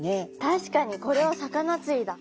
確かにこれは魚釣りだ。